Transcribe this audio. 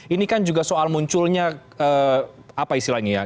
ini kan juga soal munculnya apa istilahnya ya